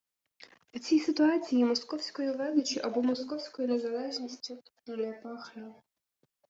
У цій ситуації московською величчю, або московською незалежністю, і «не пахне»